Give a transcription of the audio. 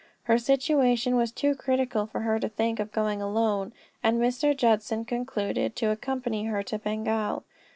Her situation was too critical for her to think of going alone, and Mr. Judson concluded to accompany her to Bengal.